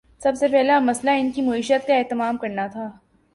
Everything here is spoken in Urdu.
سب سے پہلا مسئلہ ان کی معیشت کا اہتمام کرنا تھا۔